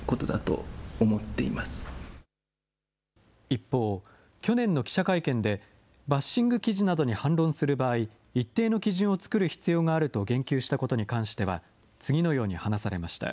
一方、去年の記者会見で、バッシング記事などに反論する場合、一定の基準を作る必要があると言及したことに関しては、次のように話されました。